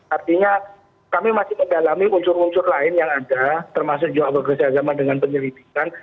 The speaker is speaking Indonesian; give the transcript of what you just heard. artinya kami masih mendalami unsur unsur lain yang ada termasuk juga bekerjasama dengan penyelidikan